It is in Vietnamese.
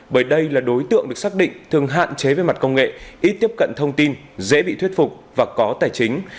bởi đây là đối tượng được xác định thường hạn chế về mặt công nghệ ít tiếp cận thông tin dễ bị thuyết phục và có tài chính